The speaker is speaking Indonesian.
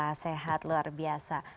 alhamdulillah sehat luar biasa